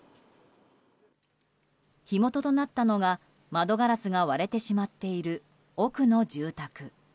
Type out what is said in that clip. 火元となったのが窓ガラスが割れてしまっている奥の住宅。